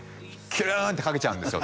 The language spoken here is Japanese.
キュルーンってかけちゃうんですよ